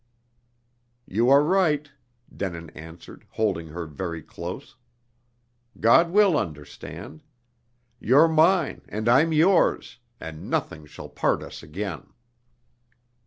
"You are right," Denin answered, holding her very close. "God will understand. You're mine, and I'm yours, and nothing shall part us again."